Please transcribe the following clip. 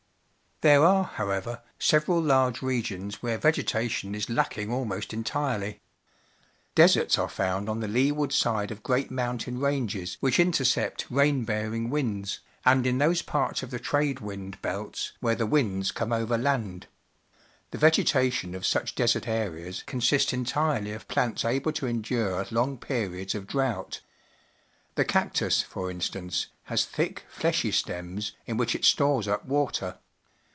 There are, however, several brge regions where vegetation is lacking almost entirelj*. Deserts are foinid on the leeward side of great jniountainjanges which intercept rain bearing winds, and in those p arts of t he trad e wdnd be lts where the winds come over l and. The vegetation of such desert areas consists entirely of plants able to endure long periods of drought. The 54 PUBLIC SCHOOL GEOGRAPHY cactus, for instance, has thick, fleshy stems in which it stores up water.